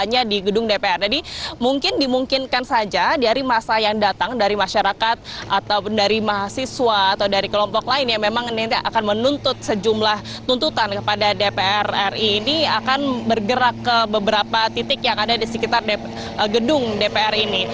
jadi mungkin dimungkinkan saja dari masa yang datang dari masyarakat ataupun dari mahasiswa atau dari kelompok lain yang memang akan menuntut sejumlah tuntutan kepada dpr ri ini akan bergerak ke beberapa titik yang ada di sekitar gedung dpr ini